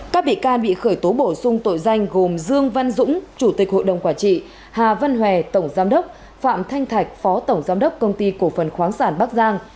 các bị can bị khởi tố bổ sung tội danh gồm dương văn dũng chủ tịch hội đồng quản trị hà văn hòe tổng giám đốc phạm thanh thạch phó tổng giám đốc công ty cổ phần khoáng sản bắc giang